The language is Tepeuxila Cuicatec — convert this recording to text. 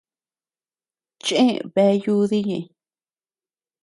Cheʼe bea yudii ñëʼeñ.